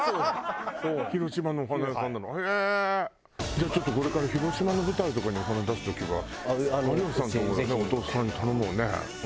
じゃあちょっとこれから広島の舞台とかにお花出す時は有吉さんとこの弟さんに頼もうね。